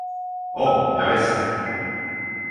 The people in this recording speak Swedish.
Åh, ja visst!